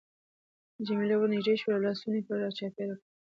جميله ورنژدې شول او لاسونه يې پرې را چاپېره کړل.